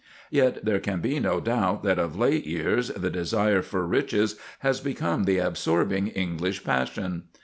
Yet there can be no doubt that of late years the desire for riches has become the absorbing English passion.